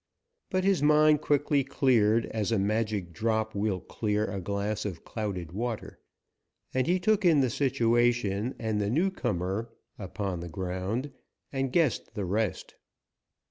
But his mind quickly cleared, as a magic drop will clear a glass of clouded water, and he took in the situation and the new comer upon the ground, and guessed the rest.